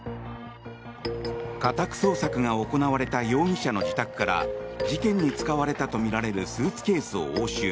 家宅捜索が行われた容疑者の自宅から事件に使われたとみられるスーツケースを押収。